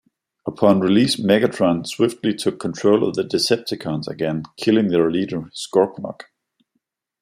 Upon release, Megatron swiftly took control of the Decepticons again, killing their leader Scorponok.